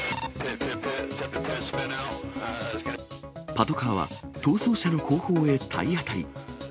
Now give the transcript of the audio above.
パトカーは逃走車の後方へ体当たり。